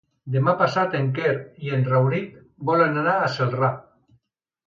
Demà passat en Quer i en Rauric volen anar a Celrà.